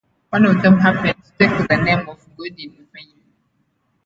One of them happened to take the name of God in vain.